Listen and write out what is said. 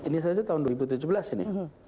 ini saja tahun dua ribu tujuh belas ini